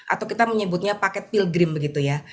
atau kita menyebutnya paket pilgrim begitu ya